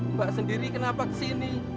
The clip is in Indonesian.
mba sendiri kenapa kesini